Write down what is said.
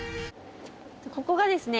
ここがですね